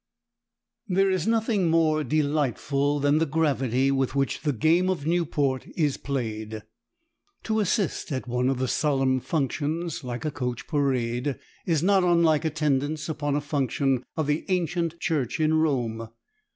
There is nothing more delightful than the gravity with which the game of Newport is played. To assist at one of the solemn "functions" like a coach parade is not unlike attendance upon a function of the ancient Church in Rome.